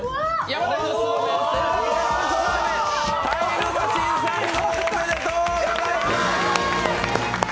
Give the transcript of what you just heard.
タイムマシーン３号、おめでとうございます！